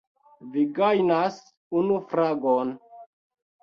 Vi gajnas unu fragon!